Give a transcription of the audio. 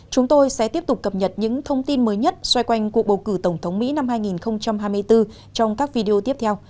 chúng tôi sẽ tiếp tục cập nhật những thông tin mới nhất xoay quanh cuộc bầu cử tổng thống mỹ năm hai nghìn hai mươi bốn trong các video tiếp theo